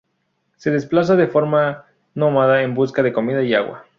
Se desplaza de forma nómada en busca de comida y agua.